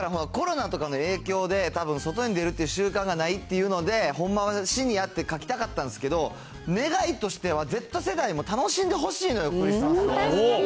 いや、これはだから、コロナとかの影響で、たぶん外に出るっていう習慣がないっていうので、ほんまはシニアって書きたかったんですけど、願いとしてはＺ世代も楽しんでほしいのよ、クリスマスを。